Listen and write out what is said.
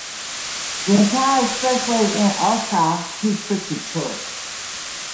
The entire expressway is in Osaka Prefecture.